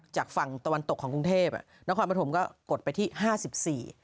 จากฝั่งตะวันตกของกรุงเทพฯนครปฐมก็กดไปที่๕๔